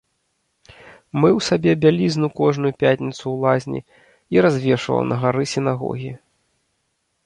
Мыў сабе бялізну кожную пятніцу ў лазні і развешваў на гары сінагогі.